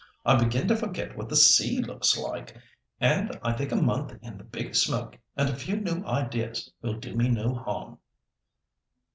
I begin to forget what the sea looks like, and I think a month in the 'big smoke' and a few new ideas will do me no harm."